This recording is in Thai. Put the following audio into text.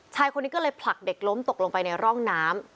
ชายคนนี้ก็เลยผลักเด็กล้มตกลงไปในร่องน้ำ